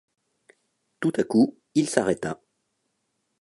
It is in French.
Tout à coup il s’arrêta.